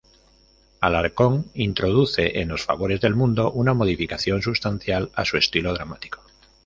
Alarcón introduce en "Los favores del mundo" una modificación sustancial a su estilo dramático.